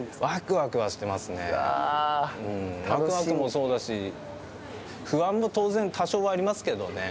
わくわくもそうだし、不安も当然、多少はありますけどね。